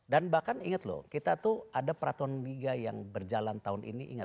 bahkan ingat loh kita tuh ada peraturan liga yang berjalan tahun ini ingat